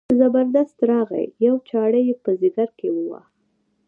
زبردست راغی یوه چاړه یې په ځګر کې وواهه.